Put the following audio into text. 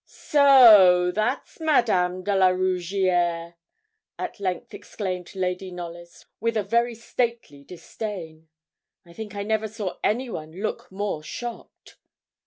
'So that's Madame de la Rougierre?' at length exclaimed Lady Knollys, with a very stately disdain. I think I never saw anyone look more shocked.